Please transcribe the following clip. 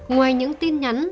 ngoài những tin nhắn